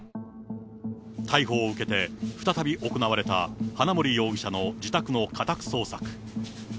逮捕を受けて、再び行われた花森容疑者の自宅の家宅捜索。